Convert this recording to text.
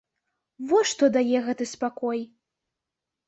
Во што дае гэты спакой!